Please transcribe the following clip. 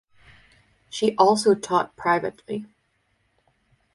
She also taught privately.